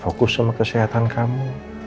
fokus sama kesehatan kamu